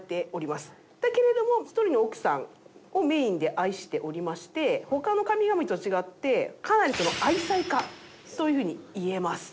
だけれども一人の奥さんをメインで愛しておりまして他の神々と違ってかなり愛妻家というふうに言えます。